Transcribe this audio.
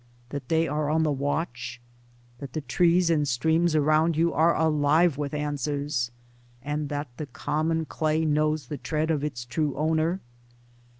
that they are on the watch? that the trees and streams around you are alive with answers, and that the common clay knows the tread of its true owner?